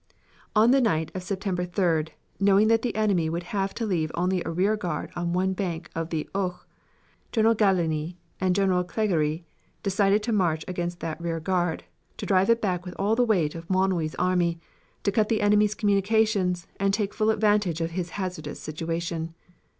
In the night of September 3d, knowing that the enemy would have to leave only a rear guard on one bank of the Ourcq, General Gallieni and General Clergerie decided to march against that rear guard, to drive it back with all the weight of the Manoury army, to cut the enemy's communications, and take full advantage of his hazardous situation.